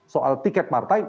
soal tiket partai